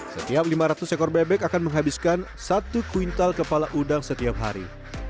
setiap lima ratus ekor bebek akan menghabiskan satu kuintal kepala udang setiap hari